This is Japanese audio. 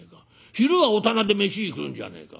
昼は御店で飯食うんじゃねえか。